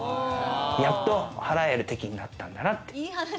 やっと払えるときになったんだなって。